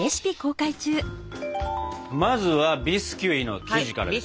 まずはビスキュイの生地からですね。